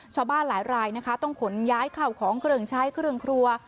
ชาวบ้านหลายรายนะคะต้องขนย้ายเข้าของเครื่องใช้เครื่องครัว